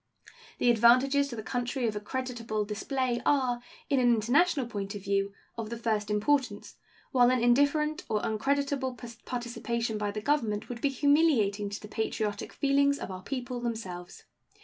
The advantages to the country of a creditable display are, in an international point of view, of the first importance, while an indifferent or uncreditable participation by the Government would be humiliating to the patriotic feelings of our people themselves.